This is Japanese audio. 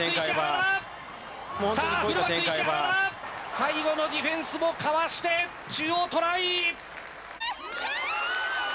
最後のディフェンスもかわして、中央、トライ！